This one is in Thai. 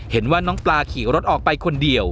เห็นว่าน้องปลาขี่รถออกไปคนเดียว